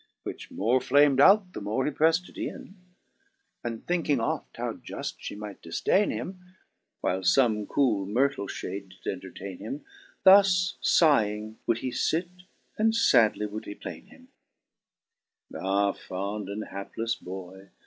Which more flam'd out the more he preft it in ; And thinking oft how juft fhee might difdaine him. While fome cool mirtle fhade did entertaine him. Thus iighing would he fit, and fadly would he plain him: 2. " Ah, fond and haplefle Boy